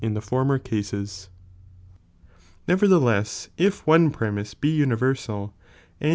I the former cases, Kevertlieless if one premise be universal and 4.